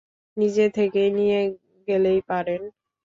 নিজে থেকেই নিয়ে গেলেই পারেন।